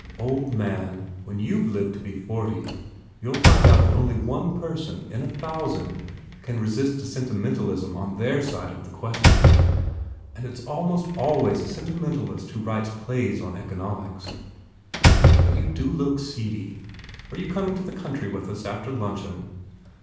"Old man, when you ve lived to be forty you ll find out that only one person in a thousand can resist a sentimentalism on their side of the question. And it s almost always a sentimentalist who writes plays on economics. But you do look seedy. Are you coming to the country with us after luncheon?"